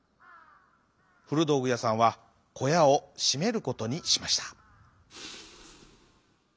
ふるどうぐやさんはこやをしめることにしました。